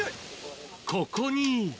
ここに。